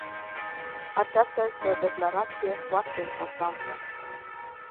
Aceasta este o declarație foarte importantă.